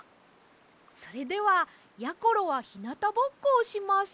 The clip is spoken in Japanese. それではやころはひなたぼっこをします。